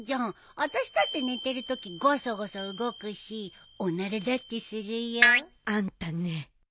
あたしだって寝てるときゴソゴソ動くしおならだってするよ。あんたね。